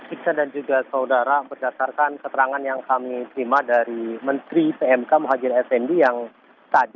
iksan dan juga saudara berdasarkan keterangan yang kami terima dari menteri pmk muhajir effendi yang tadi